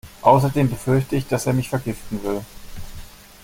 Außerdem befürchte ich, dass er mich vergiften will.